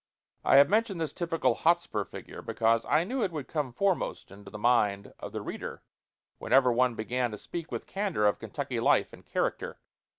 I have mentioned this typical Hotspur figure because I knew it would come foremost into the mind of the reader whenever one began to speak with candor of Kentucky life and character.